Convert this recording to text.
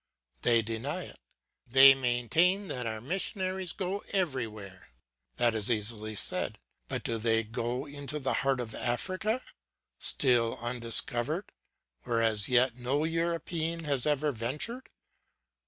They deny it; they maintain that our missionaries go everywhere. That is easily said. But do they go into the heart of Africa, still undiscovered, where as yet no European has ever ventured?